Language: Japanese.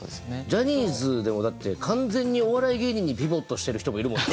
ジャニーズでもだって完全にお笑い芸人にピボットしてる人もいるもん。